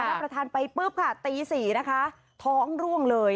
รับประทานไปปุ๊บค่ะตี๔นะคะท้องร่วงเลย